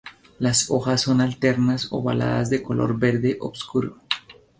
Las hojas son alternas, ovaladas de color verde obscuro.